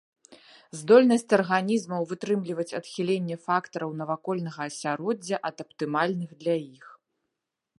Здольнасць арганізмаў вытрымліваць адхіленне фактараў навакольнага асяроддзя ад аптымальных для іх.